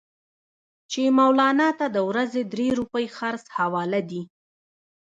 چې مولنا ته د ورځې درې روپۍ خرڅ حواله دي.